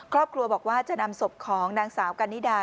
ครอบครัวบอกว่าจะนำศพของนางสาวกันนิดา